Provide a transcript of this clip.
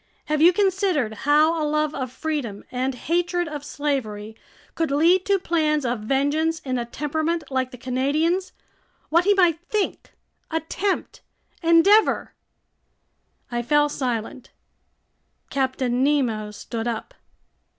Have you considered how a love of freedom and hatred of slavery could lead to plans of vengeance in a temperament like the Canadian's, what he might think, attempt, endeavor ...?" I fell silent. Captain Nemo stood up.